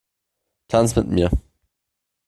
Tanz mit mir!